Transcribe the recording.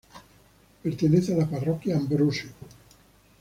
Pertenece a la parroquia Ambrosio.